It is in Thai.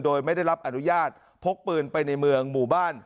โดยไม่ได้รับอนุญาตพกปืนไปในเมืองหมู่บ้าน